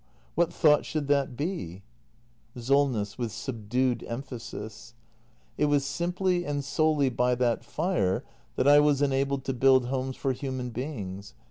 What thought should that be? 350 THE MASTER BUILDER [act ii SOLNESS. [With subdued emphasis.] It was simply and solely by that fire that I was enabled to build homes for human beings.